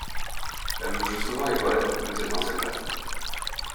Elle bouche souvent les toilettes, mais c'est un secret.